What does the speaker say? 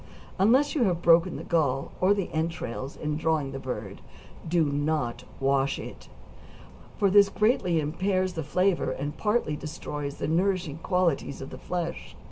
Unless you have broken the gall, or the entrails, in drawing the bird do not wash it, for this greatly impairs the flavor, and partly destroys the nourishing qualities of the flesh.